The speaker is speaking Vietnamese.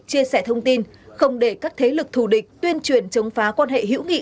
chia sẻ thông tin không để các thế lực thù địch tuyên truyền chống phá quan hệ hữu nghị